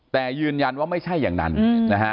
แต่ยืนยันว่าไม่ใช่อย่างนั้นนะฮะ